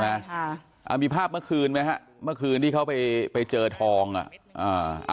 อ่ามีภาพเมื่อคืนไหมฮะเมื่อคืนที่เขาไปไปเจอทองอ่ะอ่า